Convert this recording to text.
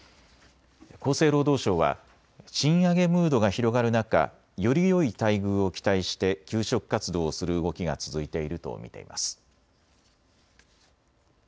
厚生労働省は賃上げムードが広がる中、よりよい待遇を期待して求職活動をする動きが続いていると見ています。